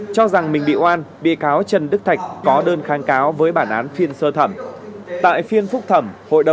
cho rằng mình bị oan bị cáo trần đức thạch có đơn kháng cáo với bản án phiên sơ thẩm